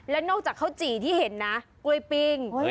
และนอกจากข้าวจี่ที่เห็นนะกล้วยปิ้ง